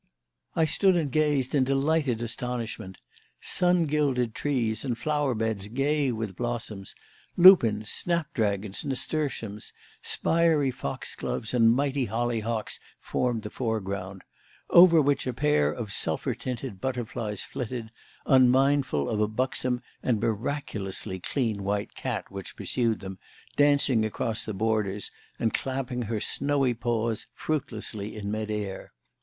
I stood and gazed in delighted astonishment. Sun gilded trees and flower beds gay with blossom; lupins, snap dragons, nasturtiums, spiry foxgloves, and mighty hollyhocks formed the foreground; over which a pair of sulphur tinted butterflies flitted, unmindful of a buxom and miraculously clean white cat which pursued them, dancing across the borders and clapping her snowy paws fruitlessly in mid air.